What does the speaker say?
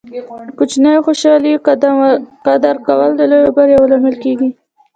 د کوچنیو خوشحالۍو قدر کول د لویو بریاوو لامل کیږي.